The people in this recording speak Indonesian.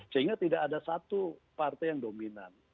sehingga tidak ada satu partai yang dominan